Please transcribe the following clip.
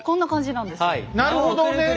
なるほどね。